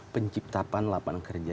penciptakan lapangan kerja